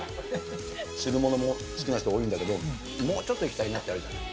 汁ものも好きな人多いんだけど、もうちょっといきたいっていうのがあるじゃない？